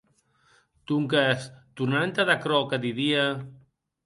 Donques tornant entad aquerò que didia.